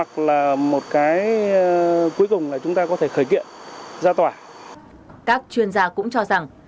các chuyên gia cũng cho rằng